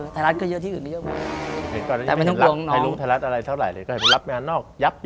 ไทยรัฐก็เยอะที่อื่นเยอะไหม